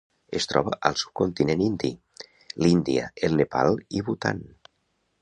Es troba al subcontinent indi: l'Índia, el Nepal i Bhutan.